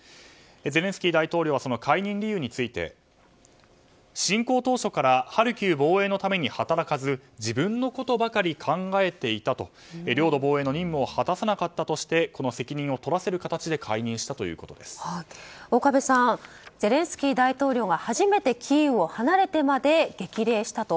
ゼレンスキー大統領はその解任理由について侵攻当初からハルキウ防衛のために働かず自分のことばかり考えていたと領土防衛の任務を果たさなかったとしてこの責任を取らせる形で岡部さんゼレンスキー大統領が初めてキーウを離れてまで激励したと。